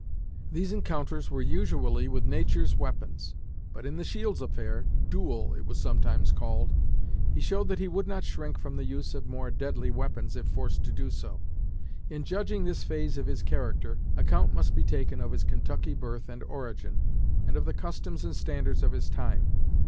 These encounters were usually with nature's weapons; but in the Shields affair duel, it was sometimes called he showed that he would not shrink from the use of more deadly weapons if forced to do so. In judging this phase of his character, account must be taken of his Kentucky birth and origin, and of the customs and standards of his time.